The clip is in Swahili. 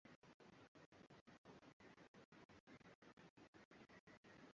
Baadhi ya wataalamu hudai kuwa Kiswahili ni KiPijini Wataalamu hawa hudai kwamba ni lugha